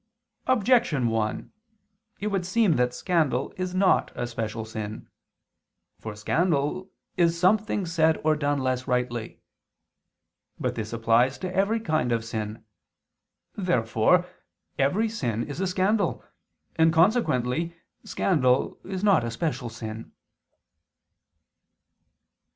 Objection 1: It would seem that scandal is not a special sin. For scandal is "something said or done less rightly." But this applies to every kind of sin. Therefore every sin is a scandal, and consequently, scandal is not a special sin.